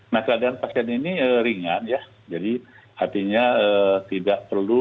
nah keadaan pasien ini ringan ya jadi artinya tidak perlu